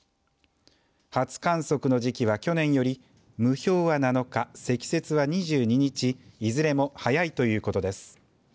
初観測の時期は、去年より霧氷は７日、積雪は２２日いずれも早いということです。